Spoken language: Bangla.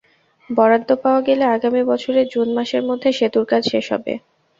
বরাদ্দ পাওয়া গেলে আগামী বছরের জুন মাসের মধ্যে সেতুর কাজ শেষ হবে।